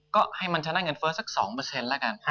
ก็ให้มันชนะเงินเฟ้อสัก๒เปอร์เซ็นต์แล้วกัน